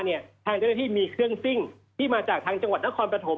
ทางเจ้าหน้าที่มีเครื่องซิ่งที่มาจากทางจังหวัดนครปฐม